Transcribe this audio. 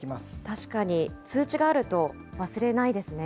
確かに、通知があると忘れないですね。